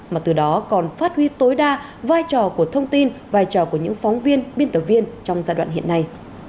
mà từ đó còn phát huy tối đa vai trò của thông tin vai trò của những phóng viên biên tập viên trong giai đoạn hiện nay